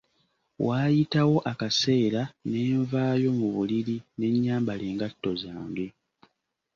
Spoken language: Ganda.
Waayitawo akaseera ne nvaayo mu buliri ne nyambala engatto zange.